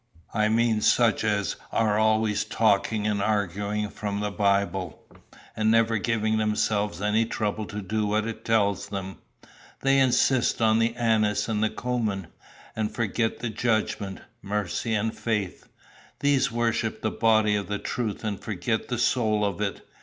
I mean such as are always talking and arguing from the Bible, and never giving themselves any trouble to do what it tells them. They insist on the anise and cummin, and forget the judgment, mercy, and faith. These worship the body of the truth, and forget the soul of it.